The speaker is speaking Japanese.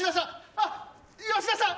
あっ吉田さん！